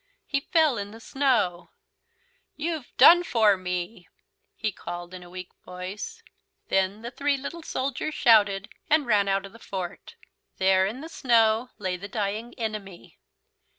He fell in the snow. "You've done for me!" he called in a weak voice. Then the three little soldiers shouted and ran out of the fort. There in the snow lay the dying enemy.